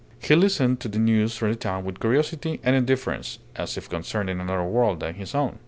He listened to the news from the town with curiosity and indifference, as if concerning another world than his own.